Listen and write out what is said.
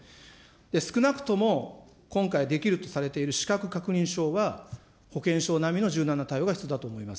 少なくとも、今回、できるとされている資格確認書は保険証並みの柔軟な対応が必要だと思います。